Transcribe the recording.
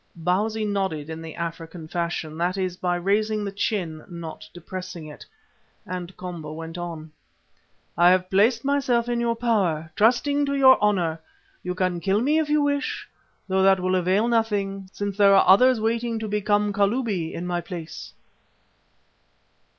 Bausi nodded in the African fashion, that is by raising the chin, not depressing it, and Komba went on: "I have placed myself in your power, trusting to your honour. You can kill me if you wish, though that will avail nothing, since there are others waiting to become Kalubi in my place."